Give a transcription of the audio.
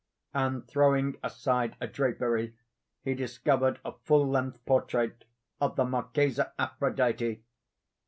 And throwing aside a drapery, he discovered a full length portrait of the Marchesa Aphrodite.